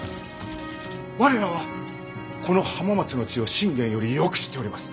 我らはこの浜松の地を信玄よりよく知っております。